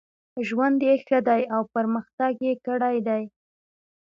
ژوند یې ښه دی او پرمختګ یې کړی دی.